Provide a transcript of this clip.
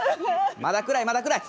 まだ暗いまだ暗い！